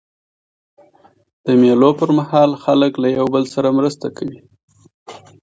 د مېلو پر مهال خلک له یو بل سره مرسته کوي.